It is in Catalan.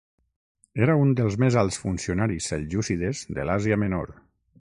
Era un dels més alts funcionaris seljúcides de l'Àsia Menor.